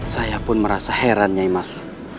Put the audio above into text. saya pun merasa heran ya mas